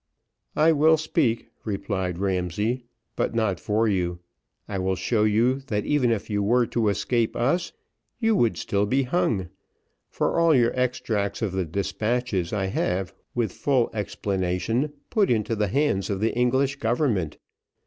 "I will speak," replied Ramsay, "but not for you, I will show you, that even if you were to escape us, you would still be hung; for all your extracts of the despatches, I have, with full explanation, put into the hands of the English government.